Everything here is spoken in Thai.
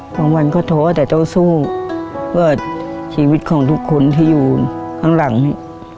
วันก็ท้อแต่ต้องสู้เพื่อชีวิตของทุกคนที่อยู่ข้างหลังนี่